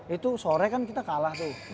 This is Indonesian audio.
itu sore kan kita kalah tuh